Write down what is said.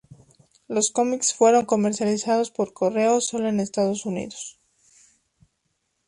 Los cómics fueron comercializados por correo sólo en Estados Unidos.